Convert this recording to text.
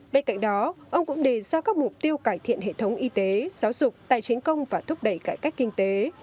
bên cạnh đó ông cũng đề ra các mục tiêu cải thiện hệ thống y tế giáo dục tài chính công và thúc đẩy cải cách kinh tế